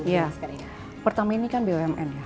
ya pertamini kan bumn ya